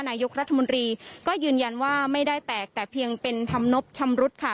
นายกรัฐมนตรีก็ยืนยันว่าไม่ได้แตกแต่เพียงเป็นธรรมนบชำรุดค่ะ